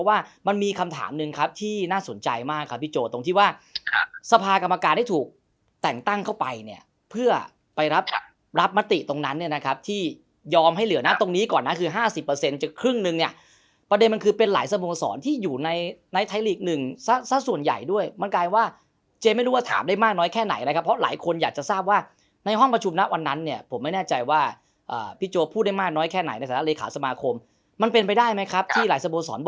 ว่ามันมีคำถามนึงครับที่น่าสนใจมากครับพี่โจ้ตรงที่ว่าสภากรรมการได้ถูกแต่งตั้งเข้าไปเนี่ยเพื่อไปรับรับมติตรงนั้นเนี่ยนะครับที่ยอมให้เหลือนะตรงนี้ก่อนนะคือห้าสิบเปอร์เซ็นต์จะครึ่งนึงเนี่ยประเด็นมันคือเป็นหลายสโมงสรที่อยู่ในในไทยลีกหนึ่งซะซะส่วนใหญ่ด้วยมันกลายว่าเจมส์ไม่ร